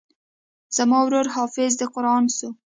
زما ورور حافظ د قران سو.